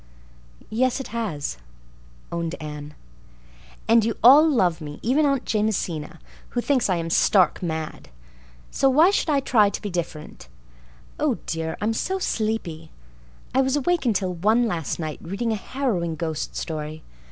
"Yes, it has," owned Anne. "And you all love me—even Aunt Jamesina, who thinks I'm stark mad. So why should I try to be different? Oh, dear, I'm so sleepy. I was awake until one last night, reading a harrowing ghost story.